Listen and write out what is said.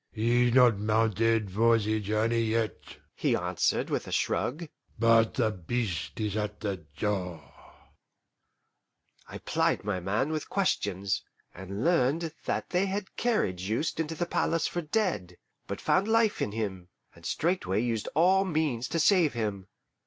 "He's not mounted for the journey yet," he answered, with a shrug, "but the Beast is at the door." I plied my man with questions, and learned that they had carried Juste into the palace for dead, but found life in him, and straightway used all means to save him.